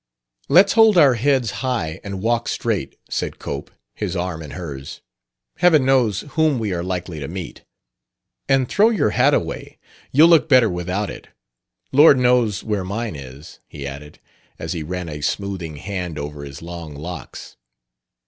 "Let's hold our heads high and walk straight," said Cope, his arm in hers; "heaven knows whom we are likely to meet. And throw your hat away you'll look better without it. Lord knows where mine is," he added, as he ran a smoothing hand over his long locks.